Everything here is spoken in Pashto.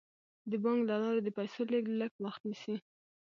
د بانک له لارې د پيسو لیږد لږ وخت نیسي.